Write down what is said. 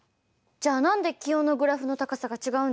じゃあ何で気温のグラフの高さが違うんですか？